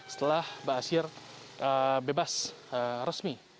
setelah basir bebas resmi